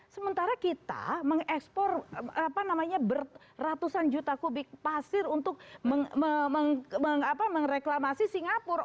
sementara kita mengekspor ratusan juta kubik pasir untuk mereklamasi singapura